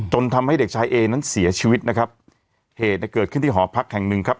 ทำให้เด็กชายเอนั้นเสียชีวิตนะครับเหตุเนี่ยเกิดขึ้นที่หอพักแห่งหนึ่งครับ